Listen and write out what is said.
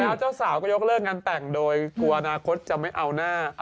แล้วเจ้าสาวก็ยกเลิกงานแต่งโดยกลัวอนาคตจะไม่เอาหน้า